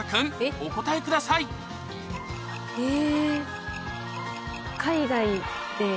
お答えくださいえぇ。